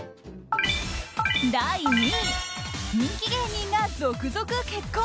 第２位、人気芸人が続々結婚。